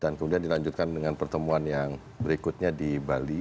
dan kemudian dilanjutkan dengan pertemuan yang berikutnya di bali